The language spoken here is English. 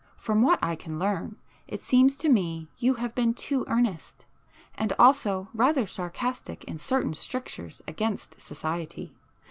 From what I can learn, it seems to me you have been too earnest. And also, rather sarcastic in certain strictures against society.